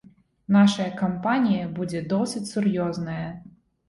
Нашая кампанія будзе досыць сур'ёзная.